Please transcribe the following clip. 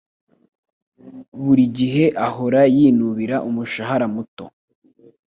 Buri gihe ahora yinubira umushahara muto.